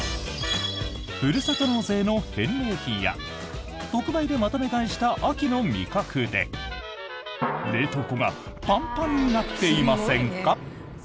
ふるさと納税の返礼品や特売でまとめ買いした秋の味覚で冷凍庫がパンパンになっていませんか？